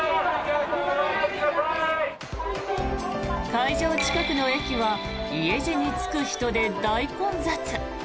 会場近くの駅は家路に就く人で大混雑。